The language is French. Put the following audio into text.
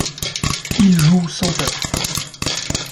Ils jouent sans peur.